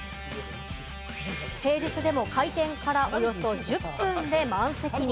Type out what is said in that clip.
平日でも開店からおよそ１０分で満席に。